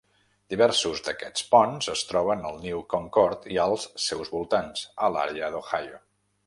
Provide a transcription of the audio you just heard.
Diversos d'aquests ponts es troben al New Concord i als seus voltants, a l'àrea d'Ohio.